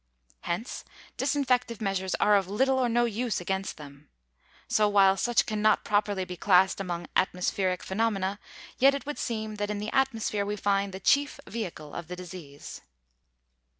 Hence, disinfective measures are of little or no use against them. So while such can not properly be classed among atmospheric phenomena, yet it would seem that in the atmosphere we find the chief vehicle of the disease.